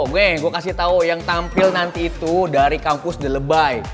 oke gue kasih tau yang tampil nanti itu dari kampus the lebay